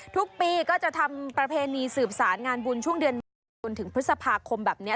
ทุกปีก็จะทำประเพณีสืบสารงานบุญช่วงเดือนเมษายนจนถึงพฤษภาคมแบบนี้